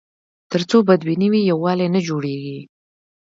تر څو بدبیني وي، یووالی نه جوړېږي.